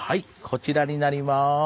こちらになります。